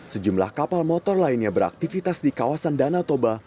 sejumlah kapal motor lainnya beraktivitas di kawasan danau toba